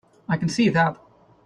I can see that.